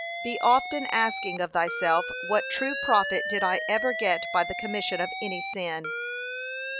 Be often asking of thyself what true profit did I ever get by the commission of any sin.